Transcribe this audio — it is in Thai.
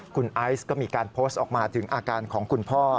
คุณไอซ์ก็มีการโพสต์ออกมาถึงอาการของคุณพ่อ